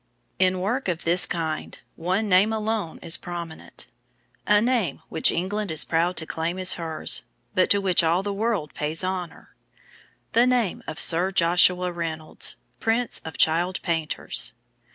In work of this kind one name alone is prominent, a name which England is proud to claim as hers, but to which all the world pays honor, the name of Sir Joshua Reynolds, Prince of Child painters.